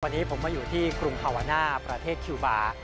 วันนี้ผมมาอยู่ที่กรุงฮาวาน่าประเทศคิวบาร์